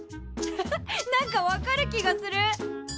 ハハッ何か分かる気がする。